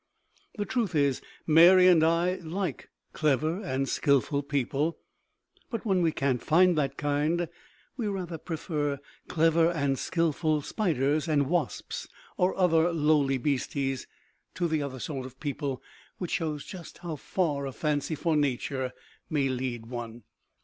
The truth is, Mary and I like clever and skillful people, but when we can't find that kind, we rather prefer clever and skillful spiders and wasps or other lowly beasties to the other sort of people, which shows just how far a fancy for nature may lead one.